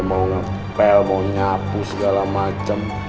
mau ngepel mau nyapu segala macam